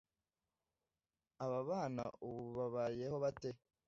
ababana ubu babayeho bate ?